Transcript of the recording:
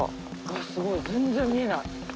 すごい全然見えない。